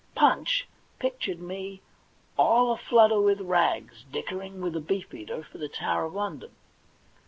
* Punch' pictured me all a flutter w^ith rags, dickering with a beefeater for the Tower of London.